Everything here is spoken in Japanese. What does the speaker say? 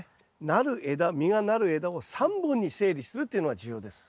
なる枝実がなる枝を３本に整理するっていうのが重要です。